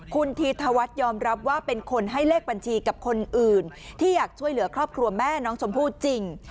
คุณธีธวัฒน์ยอมรับว่าเป็นคนให้เลขบัญชีกับคนอื่นที่อยากช่วยเหลือครอบครัวแม่น้องชมพู่จริง